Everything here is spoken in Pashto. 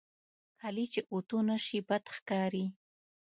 کالي چې اوتو نهشي، بد ښکاري.